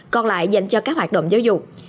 còn lại dành cho các hoạt động giáo dục